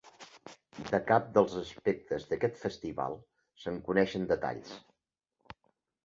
De cap dels aspectes d'aquest festival se'n coneixen detalls.